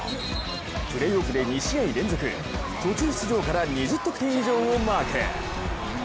プレーオフで２試合連続、途中出場から２０得点以上をマーク。